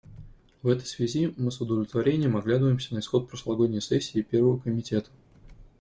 В этой связи мы с удовлетворением оглядываемся на исход прошлогодней сессии Первого комитета.